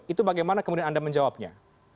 itu bagaimana kemudian anda menjawabnya